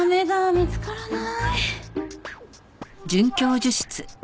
見つからない。